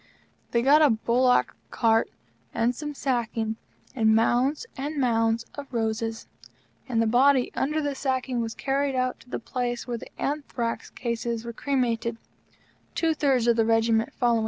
They got a bullock cart and some sacking, and mounds and mounds of roses, and the body, under sacking, was carried out to the place where the anthrax cases were cremated; two thirds of the Regiment followed.